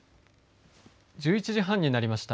１１時半になりました。